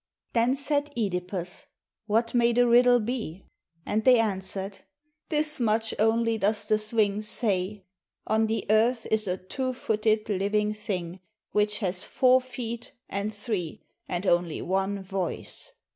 Then said (Edipus, "What may the riddle be?" And they answered, "This much only does the Sphinx say, ' On the earth is a two footed living thing which has four feet and three and only one voice.